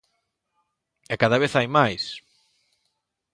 E cada vez hai máis.